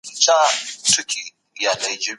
دا مربع دئ.